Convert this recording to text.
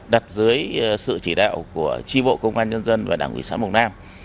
đặt dưới sự chỉ đạo của chi bộ công an nhân dân và đảng quỹ xã mộc nam